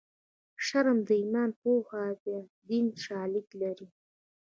شرم د ایمان پوښ دی دیني شالید لري